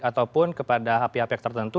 ataupun kepada hape hape tertentu